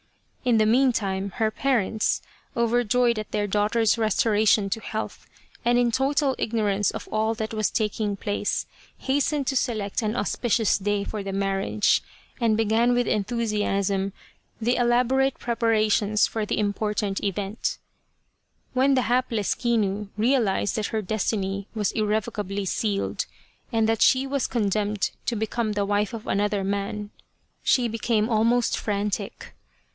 In the meantime her parents, overjoyed at their daughter's restoration to health, and in total ignorance of all that was taking place, hastened to select an auspicious day for the marriage, and began with en thusiasm the elaborate preparations for the important event. When the hapless Kinu realized that her destiny was irrevocably sealed, and that she was condemned to become the wife of another man, she became almost frantic.